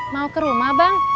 mau ke rumah bang